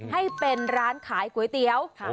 ให้เป็นร้านขายก๋วยเตี๋ยว